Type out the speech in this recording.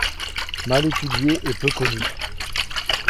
Mal étudié et peu connu.